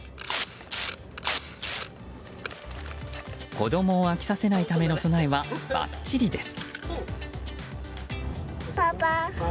子供を飽きさせないための備えはばっちりです。